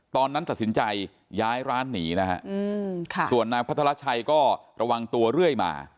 ตอนนั้นตัดสินใจย้ายร้านหนีนะฮะส่วนนางพัทรชัยก็ระวังตัวเรื่อยมา